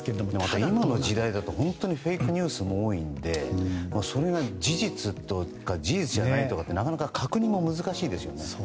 ただ今の時代だと本当にフェイクニュースも多いのでそれが事実か事実じゃないかもなかなか確認も難しいでしょうね。